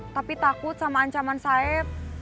tapi takut sama ancaman saya